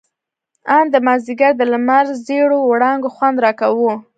ان د مازديګر د لمر زېړو وړانګو خوند راکاوه.